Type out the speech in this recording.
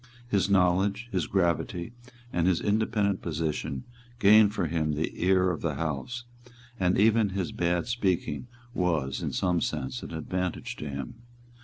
His knowledge, his gravity and his independent position gained for him the ear of the House; and even his bad speaking was, in some sense, an advantage to him.